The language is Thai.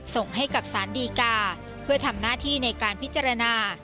ส่งให้กับสารดีกาเพื่อทำหน้าที่ในการพิจารณา